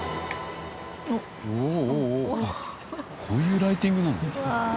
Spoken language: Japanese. こういうライティングなの？